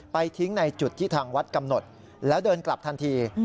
ทิ้งในจุดที่ทางวัดกำหนดแล้วเดินกลับทันที